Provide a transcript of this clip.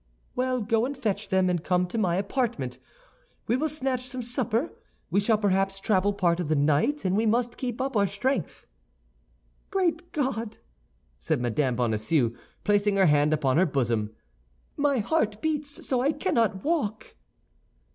"Well, go and fetch them, and come to my apartment. We will snatch some supper; we shall perhaps travel part of the night, and must keep our strength up." "Great God!" said Mme. Bonacieux, placing her hand upon her bosom, "my heart beats so I cannot walk."